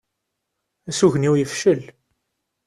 Asugen-iw yefcel.